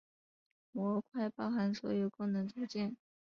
模块包含所有功能组件。